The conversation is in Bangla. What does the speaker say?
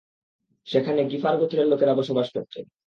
সেখানে গিফার গোত্রের লোকেরা বসবাস করত।